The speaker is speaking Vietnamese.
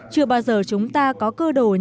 chưa bao giờ chúng ta có cơ đồ như ngày hôm nay